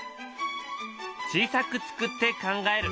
「小さく作って考える」。